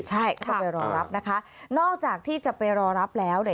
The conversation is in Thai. ใช่ก็ต้องไปรอรับนะคะนอกจากที่จะไปรอรับแล้วเนี่ย